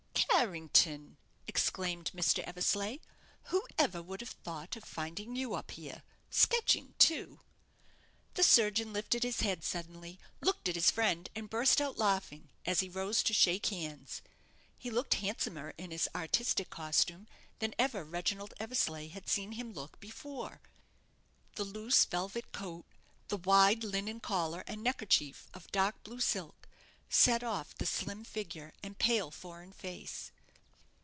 "Carrington!" exclaimed Mr. Eversleigh; "whoever would have thought of finding you up here? Sketching too!" The surgeon lifted his head suddenly, looked at his friend, and burst out laughing, as he rose to shake hands. He looked handsomer in his artistic costume than ever Reginald Eversleigh had seen him look before. The loose velvet coat, the wide linen collar and neckerchief of dark blue silk, set off the slim figure and pale foreign face.